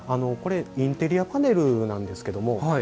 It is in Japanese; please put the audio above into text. これはインテリアパネルなんです。